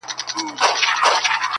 د غریب غاښ په حلوا کي خېژي -